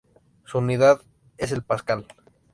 Su unidad es el pascal.